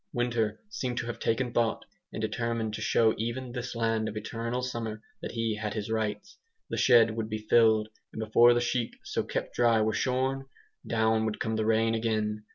Winter seemed to have taken thought, and determined to show even this land of eternal summer that he had his rights. The shed would be filled, and before the sheep so kept dry were shorn, down would come the rain again.